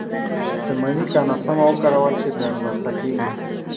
• شتمني که ناسمه وکارول شي، بې ارزښته کېږي.